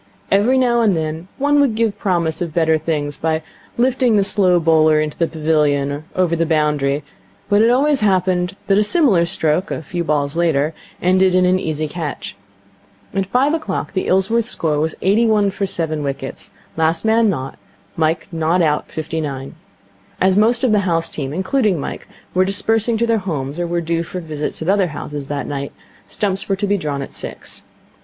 Every now and then one would give promise of better things by lifting the slow bowler into the pavilion or over the boundary, but it always happened that a similar stroke, a few balls later, ended in an easy catch. At five o'clock the Ilsworth score was eighty one for seven wickets, last man nought, Mike not out fifty nine. As most of the house team, including Mike, were dispersing to their homes or were due for visits at other houses that night, stumps were to be drawn at six.